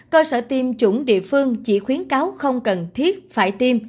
cơ sở tiêm chủng địa phương chỉ khuyến cáo không cần thiết phải tiêm